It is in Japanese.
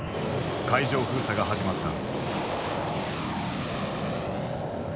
海上封鎖が始まった。